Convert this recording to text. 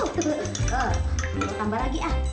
nambah lagi ya